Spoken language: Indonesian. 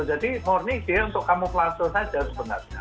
jadi murni dia untuk kamu pelangsung saja sebenarnya